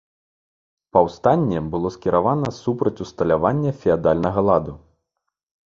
Паўстанне было скіравана супраць усталявання феадальнага ладу.